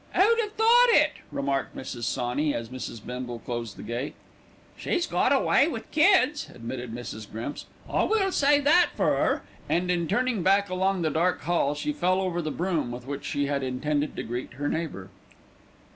"Who'd 'ave thought it!" remarked Mrs. Sawney, as Mrs. Bindle closed the gate. "She's got a way with kids," admitted Mrs. Grimps. "I will say that for 'er," and in turning back along the dark hall, she fell over the broom with which she had intended to greet her neighbour.